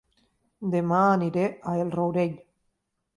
Dema aniré a El Rourell